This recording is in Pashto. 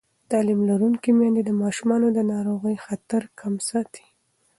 تعلیم لرونکې میندې د ماشومانو د ناروغۍ خطر کم ساتي.